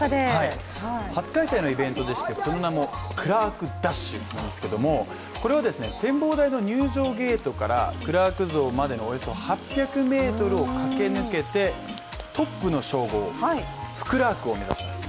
初開催のイベントでして、その名もクラークダッシュなんですけどもこれは展望台の入場ゲートからクラーク像までのおよそ８００ｍを駆け抜けてトップの称号、福ラークを目指します。